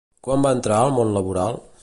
Quan va entrar al món laboral?